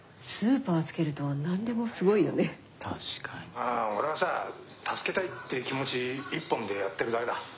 あぁ俺はさ助けたいっていう気持ち一本でやってるだけだ。